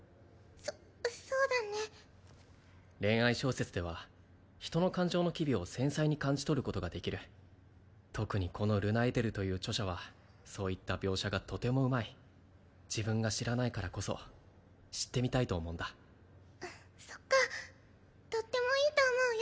そそうだね恋愛小説では人の感情の機微を繊細に感じ取ることができる特にこのルナ＝エテルという著者はそういった描写がとてもうまい自分が知らないからこそ知ってみたいと思うんだそっかとってもいいと思うよ